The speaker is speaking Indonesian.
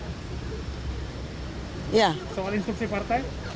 soal instruksi partai